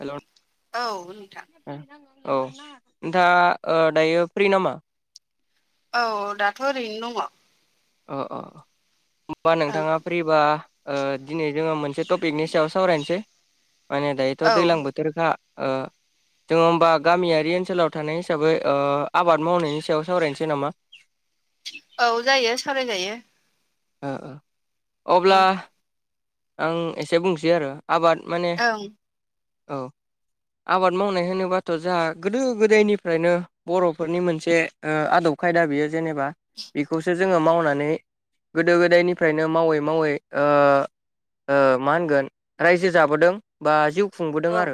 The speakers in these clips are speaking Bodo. हेलौ नों औ नोंथां औ नोंथा ओ दायो फ्रि नामा औ दाथ' ओरैनो दङ अ अ होनबा नोंथाङा फैबा दिनै जोङो मोनसे टपिकनि सायाव सावरायनोसै माने दायोथ' ओं औ दैज्लां बो थोरखा ओ जोङो होमबा गामियारि ओनसोलाव थानाय हिसाबै आबाद मावनायनि सायाव सावरायनोसै नामा औ जायो सालायजायो ओ ओ अब्ला ओं आं एसे बुंसै आरो आबाद माने ओं औ आबाद मावनाय होनोबाथ' जोंहा गोदो गोदायनिफ्रायनो बर'फोरनि मोनसे आदब खायदा बेयो जेनेबा इखौसो जोङो मावनानै गोदो गोदायनिफ्रायनो मावै मावै ओ मा होनगोन रायजो जाबोदों बा जिउ खुंबोदों औ आरो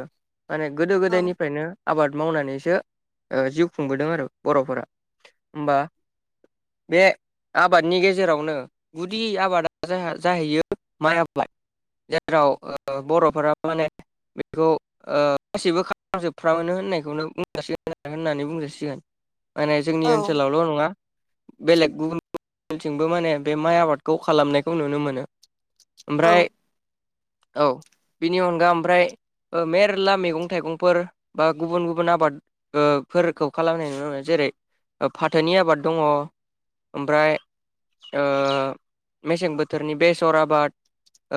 माने गोदो औ गोदायनिफ्रायनो आबाद मावनानैसो जिउ खुंबोदों आरो बर'फोरा होमबा बे आबादनि गेजेरावनो गुदि आबादा जाहैयो माइ आबाद जेराव बर'फोरा माने बेखौ ओ गासिबो खालामजोबफ्रामानो होननायखौनो बुंजासिगोन आरो होननानै बुंजासिगोन माने औ जोंनि ओनसोलावल' नङा बेलेग गुबुनथिंबो माने बे माइ आबादखौ खालामनायखौ नुनो मोनो औ ओमफ्राय औ बिनि अनगा ओमफ्राय मेरला मैगं थाइगंफोर बा गुबुन गुबुन आबाद ओ फोरखौ खालामनाय नुनो मोनो जेरै फाथोनि आबाद दङ ओमफ्राय मेसें बोथोरनि बेसर आबाद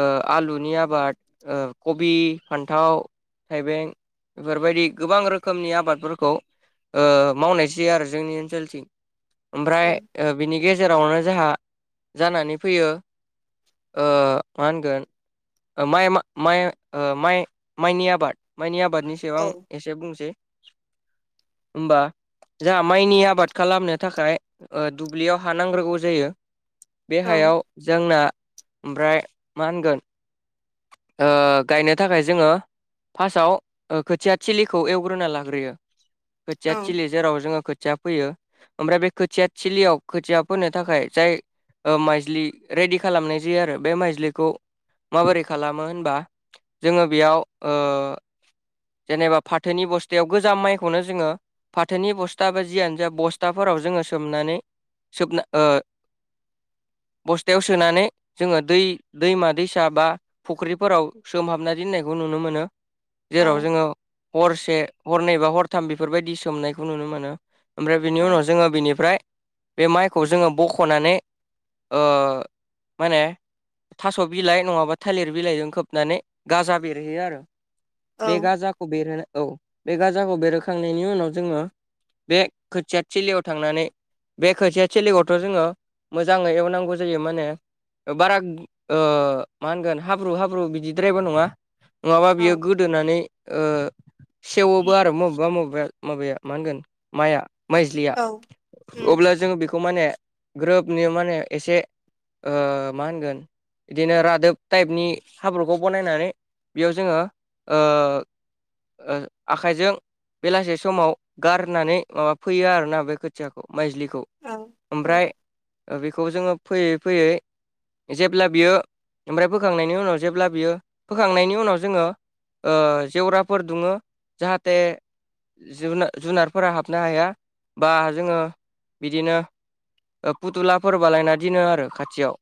ओ आलुनि आबाद कबि फान्थाव थाइबें बेफोरबायदि गोबां रोखोमनि आबादफोरखौ ओ मावनाय जायो आरो जोंनि ओनसोलथिं ओमफ्राय औ बिनि गेजेरावनो जोंहा जानानै फैयो मा होनगोन माइ माइ ओ माइनि आबाद माइनि आबादनि सायाव औ आं एसे बुंसै होमबा जाहा माइनि आबाद खालामनो थाखाय ओ दुब्लियाव हा नांग्रोगौ जायो बे औ हायाव जोंना ओमफ्राय मा होनगोन गायनो थाखाय जोङो फार्स्टआव खोथिया थिलिखौ एवग्रोना लाग्रोयो औ खोथिया थिलि जेराव जोङो खोथिया फैयो ओमफ्राय बे खोथिया थिलियाव खोथिया फोनो थाखाय जाय ओ माइज्लि रेडि खालामनाय जायो आरो बे माइजलिखौ माबोरै खालामो होनबा जोङो बेयाव ओ जेनेबा फाथोनि बस्थायाव गोजाम माइखौनो जोङो फाथोनि बस्था बा जियानो जा बस्थाफोराव जोङो सोमनानै सोबना बस्थायाव सोनानै जोङो दै दैमा दैसा बा फुख्रिफोराव सोमहाबना दोननायखौ नुनो मोनो जेराव जोङो हरसे हरनै बा हरथाम बेफोरबायदि सोमनायखौ नुनो मोनो ओमफ्राय बिनि औ उनाव जोङो बिनिफ्राय बे माइखौ जोङो बख'नानै माने थास' बिलाइ नङाबा थालिर बिलाइजों खोबनानै गाजा बेरहैयो आरो बे औ गाजाखौ खौ बेरहोनाय औ बे गाजाखौ बेरहोखांनायनि उनाव जोङो बे खोथियाथिलियाव थांनानै बे खोथिया थिलिखौथ' जोङो मोजाङै एवनांगौ जायो माने बारा ओ मा होनगोन हाब्रु हाब्रु बि बिद्रायबो नङा नङाबा औ बियो गोदोनानै सेवोबो आरो बबेबा बबेबा माबाया मा होनगोन माइआ माइज्लिया औ उम अब्ला जोङो बेखौ खौ माने ग्रोबनि माने एसे मा होनगोन बिदिनो रादोब टाइपनि हाब्रुखौ बनायनानै बेयाव जोङो आखाइजों बेलासे समाव गारनानै माबा फैयो आरोना बे खथि खोथियाखौ माइजलिखौ औ औ ओमफ्राय बेखौ जोङो फैयै फैयै जेब्ला बियो ओमफ्राय फोखांनायनि उनाव जेब्ला बियो फोखांनायनि उनाव जोङो जेवराफोर दुमो जाहाथे जुनारफोरा हाबनो हाया बा जोङो बिदिनो फुथुलाफोर बालायना दोनो आरो खाथियाव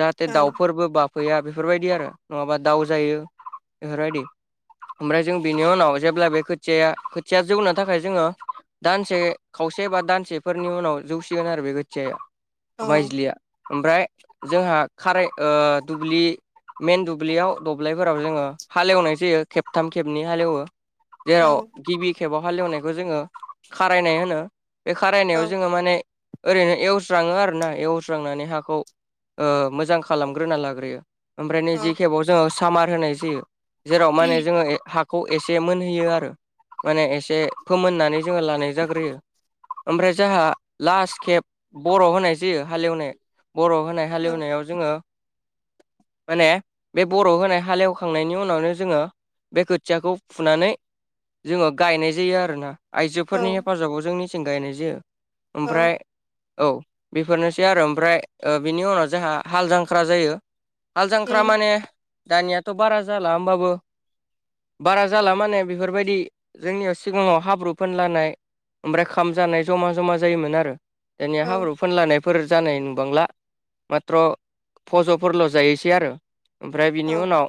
जाहाथे औ दाउफोरबो बाफैया बेफोरबायदि आरो नङाबा दाउ जायो बेफोरबायदि ओमफ्राय जों बिनि उनाव जेब्ला बे खोथिया खोथिया जौनो थाखाय जोङो दानसे खावसे बा दानसेफोरनि उनाव जौसिगोन आरो बे खोथियाया औ मायजलिया ओमफ्राय जोंहा खाराय दुब्लि मेन दुबलि दुब्लियाव दब्लायफोराव जोङो हालेवनाय जायो खेबथाम खेबनै हालेवो औ जेराव गिबि खेबाव हालेवनायखौ जोङो खारायनाय होनो बे औ खारायनायाव जोङो माने ओरैनो एवस्राङो आर ना एवस्रांनानै हाखौ मोजां खालामग्रोना लाग्रोयो ओमफ्राय औ नैजे खेबाव जोङो सामार होनाय जायो जेराव माने जोङो जोो हाखौ एसे मोनहैयो आरो माने एसे फोमोननानै जोङो लानाय जाग्रोयो ओमफ्राय जाहहा लास् खेब बर' होनाय जायो हालेवनाय बर' होनाय औ उम हालेवनायाव जोङो माने बे बर' होनाय हालेवखांनायनि उनावनो जोङो बे खोथियाखौ फुनानै जोङो गायनाय जायो आरोना औ आइजोफोरनि हेफाजाबाव जोंनिथिं गायनाय जायो औ ओमफ्राय औ बेफोरनोसै आरो ओमफ्राय बिनि उनाव जोंहा हाल जांख्रा जायो। दाख्रा माने दानियाथ' बारा जाला होमबाबो बारा जाला माने बेफोरबायदि जोंनियाव सिगाङाव हाब्रु फोनलानाय ओमफ्राय खाम जानाय जमा जमा जायोमोन आरो दानिया हाब्रु फानलानाय फोर जानाय नुबुबांला माथ्र' फज'फोरल' जायोसै आरो। ओमफ्राय बिनि उनाव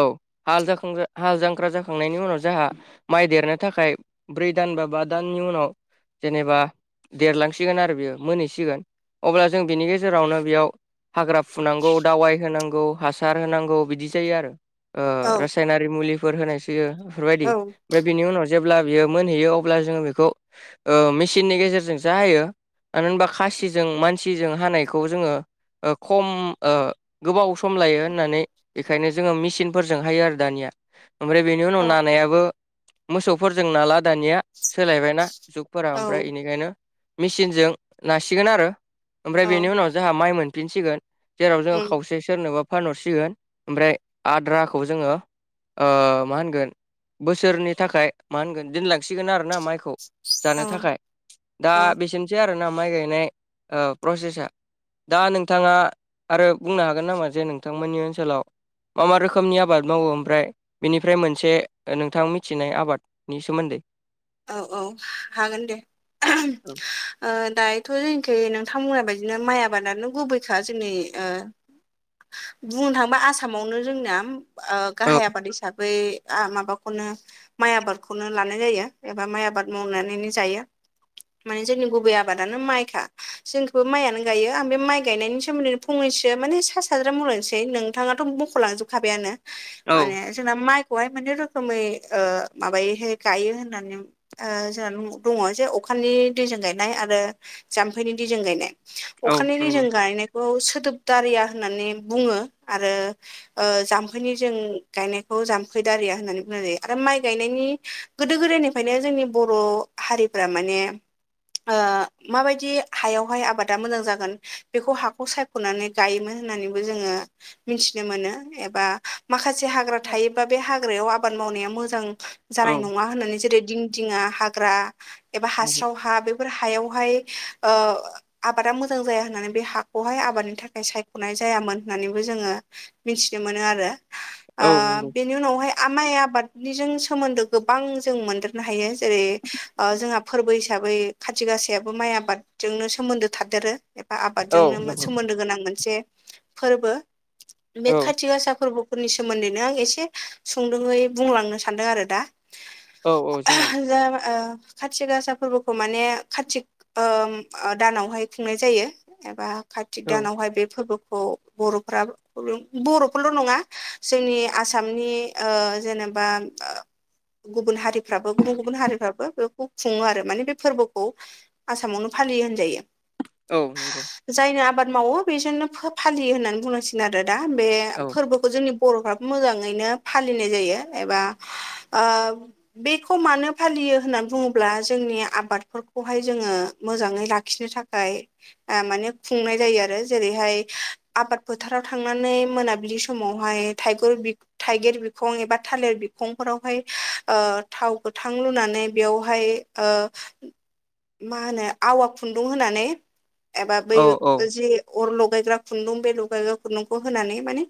औ हाल ज हाल जांख्रा जाखांनायनि उनाव जोंहा माइ देरनो थाखाय ब्रै दान बा बा दाननि उनाव जेनेबा देरलांसिगोन आरो बेयो मोनहैसिगोन अब्ला जों बिनि गेजेरावनो बेयाव हाग्रा फुनांगौ दावाइ होनांगौ हासार होनांगौ बिदि जायो आरो। औ औ रासायनारि मुलिफोर होनायसोयो बेफोरबायदि ओमफ्राय बिनि उनाव जेब्ला बियो मोनहैयो अब्ला जोङो बेखौ ओ मेसिननि गेजेरजों हायो। मानो होनबा खासिजों मानसिजों हानायखौ जोङो खम गोबाव सम लायो होननानै बेखायनो जोङो मेचिनफोरजों हायो आरो दानिया ओमफ्राय बेनि उनाव ननायाबो मोसौफोरजों नाला दानिया। सोलायबायना जुगफोरा औ ओमफ्राय बेनिखायनो मेसिनजों नासिगोन आरो ओमफ्राय बेनि उनाव जोंहा माइ मोनफिनसिगोन जेराव जोङो उम खावसे जबा फानहरसिगोन ओमफ्राय आद्राखौ जोङो मा होनगोन बोसोरनि थाखाय मा होनगोन दोनलांसिगोन आरोना माइखौ जानो औ थाखाय दा औ बेसिनि आरोोना माइ गायनाय प्रसेसा दा नोंथाङा आरो बुंनो हागोन। हागोन नामा जे नोंथांमोननि ओनसोलाव मा मा रोखोमनि आबाद मावो? ओमफ्राय बेनिफ्राय मोनसे नोंथां मिथिनाय आबादनि सोमोन्दै औ औ हागोन दे। दायोथ' जोंनिख नोंथांमोननाय बाददिनो माइ आबादानो गुबैखा जोंनि ओ [inaudible] बुंनो थाङोबा आसामावनो जोंनिया औ गाहाय आबाद हिसाबै माबाखौनो माइ आबादखौनो लानाय जायो। एबा माइ आबाद मावनानैनो जायो। माने जोंनि गुबै आबादानो माइखा जोंखौबो माइयनो गायो आं बे माइ गायनायनि सोमोन्दै फंनैसो माने सा साज्रां बुंलांसै नोंथाङाथ' मख'लांजोबखाबायानो। औ माने जोंना माइखौहाय मोनसे रोखोमै माबायोहाय गायो होन होननानै जोंहा दङ जे अखानि दैजों गायनाय आरो जाम्फैनि दि जों गायनाय औ अखानि दै नंगौ जों गायनाय बे सोदोबदारिया होननानै बुङो आरो जामफैनि जों गायनायखौ जाम्फै दारिया होननानै बुंनाय जायो आरो माइ गायनायनि गो गोदो गोदायनिफ्रायनो जोंनि बर' हारिफ्रा माने माबायदि हायावहाय आबादा मोजां जागोन बेखौ हाखौ साय खुनानै गायोमोन होननानैबो जोङो मिथिनो मोनो। एबा माखासे हाग्रा थायोबा बे हाग्रायाव आबाद मावनाया मोजां औ जानाय न मा होननानै जेरै दिं दिङा हाग्रा एबा हास्राव हा बे हायावहाय ओ आबादा मोजां जाया होननानै बे हाखौहाय आबादनि थाखाय सायख'नाय जायामोन होननानैबो जोङो मिथिनो मोनो आरो औ नंगौ बेनि उनावहाय आमाइ आबादनिजों सोमोन्दो गोबां जों मोनदेरनो हायो जेरै जोंहा फोरबो हिसाबै खाथि गाासायाबो माइ आबाद जोंनो सोमोन्दो थादेरो एबा औ आबादजोंनो नंगौ सोमोन्दो गोनां मोनसे फोरबो बे औ खाथि गासा फोरबो फोरनि सोमोन्दैनो आं एसे सुंदुङै बुंलांनो सान्दों आरो दा। औ औ जागोन। जा खाथि गासा फोरबोखौ माने खाथि दानावहाय खुंनाय जायो एबा कार्तिक औ दानावहाय बे फोरबोखौ बर'फोराबो बर'फोरल नङा जोंनि आसामनि जेनेबा गुबुन हारिफ्राबो गुबुन गुबुन हारिफ्राबो बेखौ खुङो आरो माने बे फोरबोखौ आसामावनो फालियो होनजायो औ नंगौ जायनो आबाद मावो बेजोंनो फालियो होननानै बुंनांसिगोन आरो दा बे औ फोरबोखौ खौ जोंनि बर'फ्राबो मोजाङैनो फालिनाय जायो एबा बेखौ मानो फालियो होननानै बुङोब्ला जोंनि आबादफोरखौहाय जोङो मोजाङै लाखिनो था खाय माने खुंनाय जायो आरो जेरैहाय आबाद फोथाराव थांनानै मोनाबिलि समावहाय थाइग बग थाइगिर बिखं एबा थालिर बिखंफोरावहाय ओ थाव गोथां लुनानै बेयावहाय ओ मा होनो आवा खुन्दुं होनानै एबा बै औ औ जि अर लगायग्रा खुन्दुं बे लगायग्रा खुन्दुंखौ होनानै माने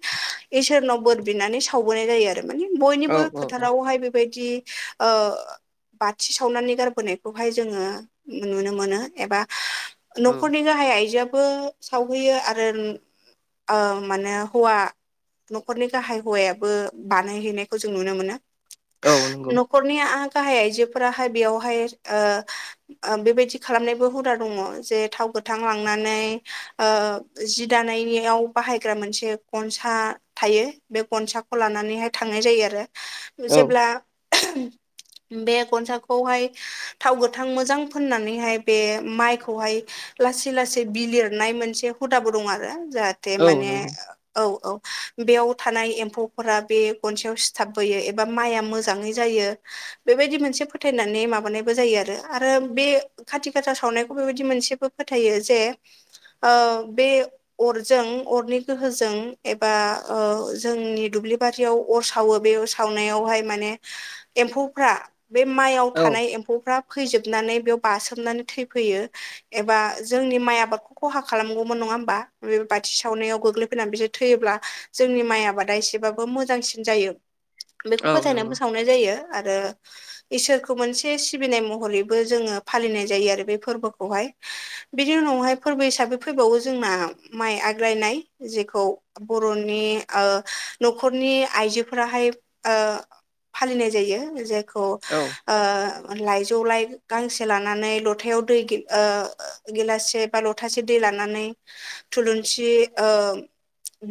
इसोरनाव बोर बिनानै सावबोनाय जायो आरो माने औ बयनिबो औ फोथारावहाय बेदि ओ बाथि सावनानै गारबोनायखौहाय जोङो नुनो मोनो एबा औ न'खरनि गाहाय आइजोआबो सावहैयो आरो माने हौवा न'खरनि गाहाय हौवायाबो बानायहैनायखौ जों नुनो मोनो औ नंगौ न'खरनि गाहाय आइजोफोराहाय बेयावहाय ओ बेबायदि खालामनायबो हुदा दङ जे थाव गोथां लांनानै ओ जि दानायनिाव बाहायग्रा मोनसे गनसा थायो बे गनसाखौ लानानैहाय थांनाय जायो आरो औ जेब्ला बे गनसाखौहाय थाव गोथां मोजां फोननानैहाय बे माइखौहाय लासै लासै बि लिरनाय मोनसे हुदाबो दं आरो जाहाथे औ माने नंगौ औ औ बेयाव थानाय एम्फौफोरा बे गनसेयाव सिथाबबोयो एबा माइआ मोजाङै जायो बेबायदि मोनसे फोथायनानै माबानायबो जायो आरो आरो बे खाथि गासा सावनायखौ बेबायदि मोनसेबो फोथायो जे ओ बे अरजों अरनि गोहोजों एबा ओ जोंनि दुब्लि बारियाव अर सावो बे साव नायावहाय माने मानमफौ बे मायाव औ थानाय एम्फौफ्रा फैजोबनानै बेयाव बासोमनानै थैफैयो एबा जोंनि माइ आबादखौ खहा खालामगौमोन नङा होमबा बे बाथि सावनायाव गोग्लैफैनानै बिसोर थैयोब्ला जोंनि माइ आबादा एसेबाबो मोजांसिन जायो बेखौ औ नंगौ फोथायनानैबो सावनाय जायो आरो इसोरखौ मोनसे सिबिनाय महरैबो जोङो फालिनाय जायो आरो बे फोरबोखौहाय बिनि उनावहाय फोरबो हिसाबै फैबावो जोंना माइ आग्रायनाय जेखौ बर'नि न'खरनि आइजोफोराहाय ओ फालिनाय जायो जायखौ औ ओ लाइजौ लाइ गांसे लानानै लथायाव दै गि ओ गिलाससे बा लथासे दै लानानै थुलुंसि ओ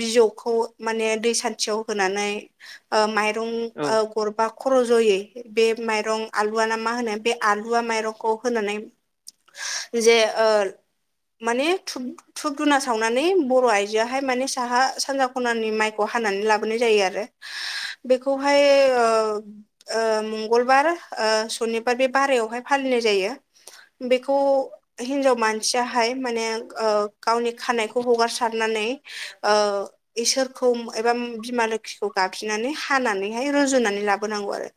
बिजौखौ माने दै सान्थियाव होनानै ओ माइ रं गरबा खर जयै बे माइरं आलुव नामा होनो बे आलुवा माइरंखौ होनानै जे ओ माने धुप दधुना सावनानै बर' आइजोआहाय माने साहा सानजा खनानि माइखौ हानानै लाबोनाय जायो आरो [inaudible] बेखौहाय ओ मंगलबार सनिबार बे बारायावहाय फालिनाय जायो बेखौ हिनजाव मानसियाहाय माने गावनि खानायखौ हगारसारनानै इसोरखौ एबा बिमा लोखिखौ गाबजिनानै हानानैहाय रुजुनानै लाबोनांगौ आरो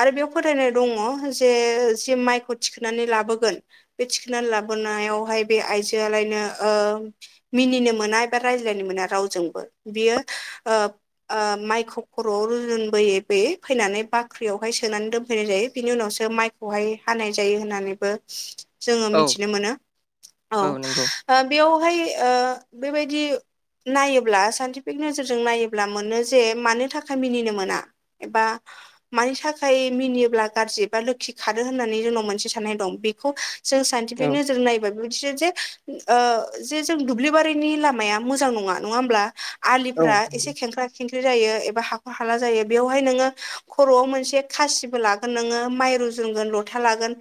आरो बेयाव फोथायनाय दङ जे माइखौ थिखोनानै लाबोगोन बे थिखोननानै लाबोनायावहाय बे आइजोआलायनो मिनिनो मोना एबा रायज्लायनो मोना रावजोंबो बियो माइखौ खर'आव रुजुनबोयै बोयै फैनानै बाख्रियावहाय सोनानै दोनफैनाय जायो बिनि उनावसो माइ खौहाय हानाय जायो होननानैबो जोङो औ मिथिनो मोनो औ बेयावहाय बेबायदि नायोब्ला साइनटिफिक नोजोरजों नायोब्ला मोनो जे मानि थाखाय मिनिनो मोना एबा मानि थाखाय मिनियोब्ला गाज्रि बा लोखि खादो होननानै जोंनाव मोनसे साननाय दं बेखौ जों साइन्टिफिक औ नोजोरजों नायो बेबायदि जे जे जों दुब्लिबारिनि लामाया मोजां नङा नङा होमब्ला औ आलिफ्रा नंगौ एसे खेंख्रा खेंख्रि जायो एबा हाख हाला जायो बेवहाय नोङो खर'आव मोनसे खासिबो लागोन नोङो माइ रुजुनगोन लथा लागोन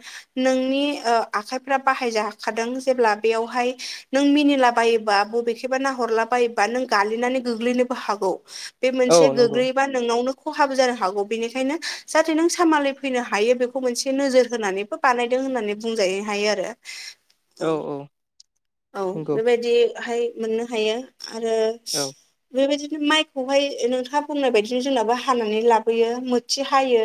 नोंनि आखाइफ्रा बाहायजाखादों जेब्ला बेयावहाय नों मिनिलाबायोबा बबेख एबा नाहरला बायोबा नों गालिननानै गोग्लैनोबो हागौ बे औ मोनसे नंगौ गोग्लै नोंनावनो खहाब जानो हागौ बेनिखायनो जाहाथे नों सामालाय फैनो हायो बेखौ मोनसे नोजोर होनानैबो बानायदों होननानै बुंजायो हायो आरो [inaudible] औ औ नंगौ बेबायदिहाय मोननो हायो आरो औ बेबायदिनो माइखौहाय नोंथाङा बुंनाय बायदिनो जोंनाबो हानानै लाबोयो मोथि हायो